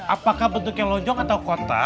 apakah bentuknya lonjong atau kota